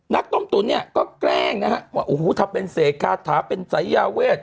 นักต้มตุ๋นเนี่ยก็แกล้งนะครับว่าอูหูทับเป็นเสกคาถาเป็นสัยยาเวท